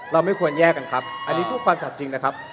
ไม่ควรแยกกันครับอันนี้เพื่อความจัดจริงนะครับ